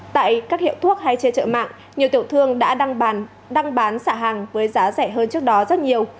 tại các hiệu thuốc hay chế trợ mạng nhiều tiểu thương đã đăng bán xả hàng với giá rẻ hơn trước đó rất nhiều